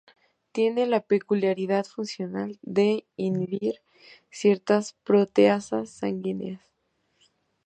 Tienen la peculiaridad funcional de inhibir ciertas proteasas sanguíneas.